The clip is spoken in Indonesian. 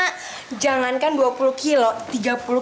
hah jangankan dua puluh kilo tiga puluh